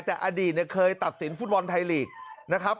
แต่อดีตเคยตัดศีลฟุตบอลไทยลีกนะครับ